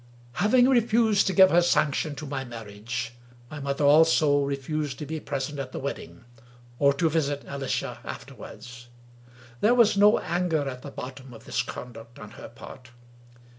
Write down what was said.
Having refused to give her sanction to my marriage, my mother also refused to be present at the wedding, or to visit Alicia afterwards. There was no anger at the bot tom of this conduct on her part.